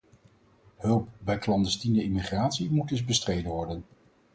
Hulp bij clandestiene immigratie moet dus bestreden worden.